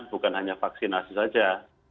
bukan hanya vaksinasi saja